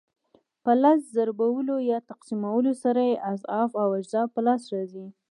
په لس ضربولو یا تقسیمولو سره یې اضعاف او اجزا په لاس راځي.